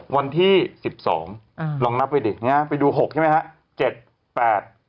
วันที่๑๒ลองนับไปดิไปดู๖ใช่ไหมครับ